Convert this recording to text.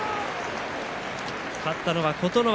勝ったのは琴ノ若。